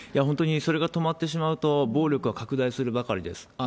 本当にそれが止まってしまうと、暴力は拡大するばかりです。